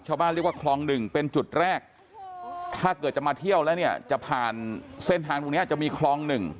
ชาวบ้านเรียกว่าคลองหนึ่งเป็นจุดแรกถ้าเกิดจะมาเที่ยวแล้วเนี่ยจะผ่านเส้นทางตรงนี้จะมีคลอง๑